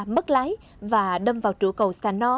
mất lái và đâm vào trụ cầu sà no